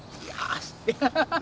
アハハハハ。